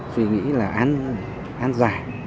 suy nghĩ là án giải